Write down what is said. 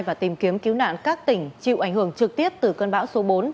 và tìm kiếm cứu nạn các tỉnh chịu ảnh hưởng trực tiếp từ cơn bão số bốn